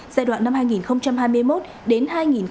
giai đoạn năm hai nghìn hai mươi một đến